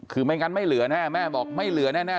คือไม่งั้นไม่เหลือแน่แม่บอกไม่เหลือแน่